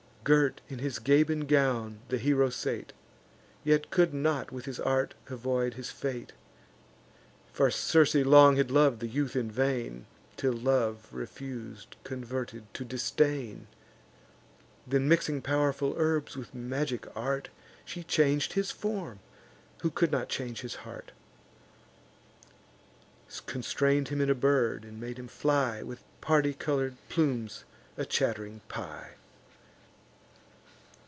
Girt in his Gabin gown the hero sate, Yet could not with his art avoid his fate: For Circe long had lov'd the youth in vain, Till love, refus'd, converted to disdain: Then, mixing pow'rful herbs, with magic art, She chang'd his form, who could not change his heart; Constrain'd him in a bird, and made him fly, With party colour'd plumes, a chatt'ring pie.